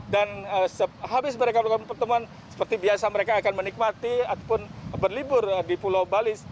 dan habis mereka melakukan pertemuan seperti biasa mereka akan menikmati ataupun berlibur di pulau bali